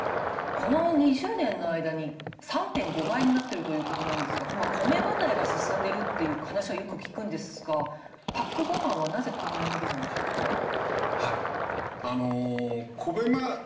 この２０年の間に３．５倍になってるということなんですが米離れが進んでるっていう話はよく聞くんですがパックごはんはなぜこんなに伸びたんでしょうかね。